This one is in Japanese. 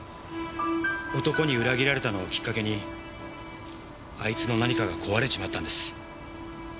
男に裏切られたのをきっかけにあいつの何かが壊れちまったんです。